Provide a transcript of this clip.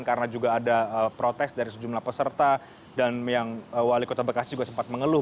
karena juga ada protes dari sejumlah peserta dan yang wali kota bekasi juga sempat mengeluh